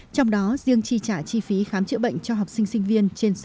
trong đó riêng chi trả chi phí khám chữa bệnh cho học sinh sinh viên